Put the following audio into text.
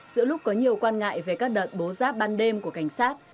giữa lúc có nhiều quan ngại về các đợt tố giáp ban đêm của cảnh sát